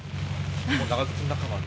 もう長靴の中まで？